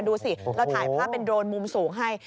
ดูสิเราถ่ายภาพเป็นโดรนมุมสูงให้